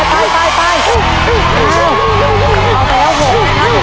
ร้านพ่อทำกับไข่เตียวแล้ว